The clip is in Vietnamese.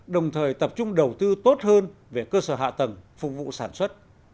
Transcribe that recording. đồng thời tập trung đầu tư tốt hơn về sản lượng